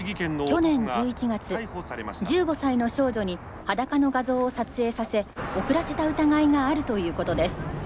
「去年１１月１５歳の少女に裸の画像を撮影させ送らせた疑いがあるということです。